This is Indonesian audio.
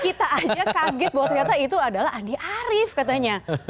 kita aja kaget bahwa ternyata itu adalah andi arief katanya